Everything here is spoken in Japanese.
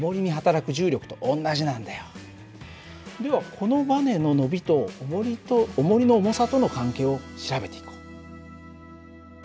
このばねの伸びとおもりの重さとの関係を調べていこう。